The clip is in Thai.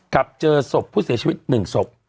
กับเจอศพผู้เสียชีวิต๑ศพ